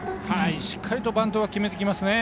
しっかりバントを決めてきますね。